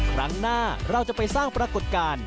ครั้งหน้าเราจะไปสร้างปรากฏการณ์